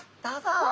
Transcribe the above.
どうぞ。